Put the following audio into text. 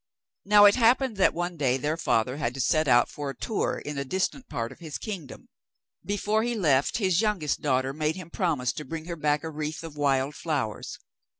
Now it happened that one day their father had to set out for a tour in a distant part of his kingdom. Before he left, his youngest daughter made him promise to bring her back a wreath of wild flowers.